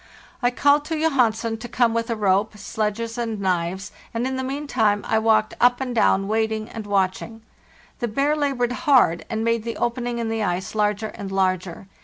I called ex ( Oc c to Johansen to come with a rope, sledges, and knives, trouble of dra and in the meantime I walked up and down waiting and watching. The bear labored hard, and made the opening in the ice larger and larger.